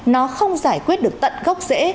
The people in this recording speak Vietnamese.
nó không giải quyết được tận gốc dễ